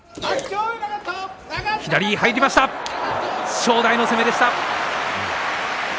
正代の攻めでした。